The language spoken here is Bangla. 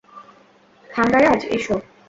থাঙ্গারাজ, এসো।